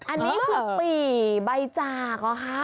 อันนี้เพราะปี่ใบจากเหรอฮะ